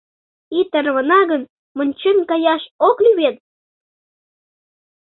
— Ий тарвана гын, вончен каяш ок лий вет?..